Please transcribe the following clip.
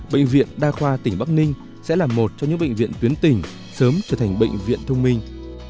bệnh viện đa khoa tỉnh bắc ninh sẽ là một trong những bệnh viện tuyến tỉnh sớm trở thành bệnh viện thông minh